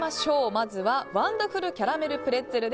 まずはワンダフルキャラメルプレッツェル。